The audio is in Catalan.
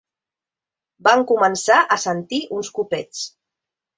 Van començar a sentir uns copets.